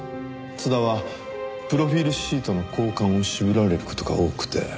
津田はプロフィールシートの交換を渋られる事が多くて。